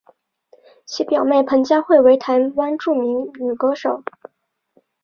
其表妹彭佳慧为台湾著名女歌手。